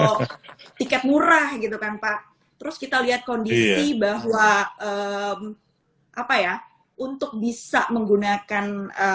kalau tiket murah gitu kan pak terus kita lihat kondisi bahwa apa ya untuk bisa menggunakan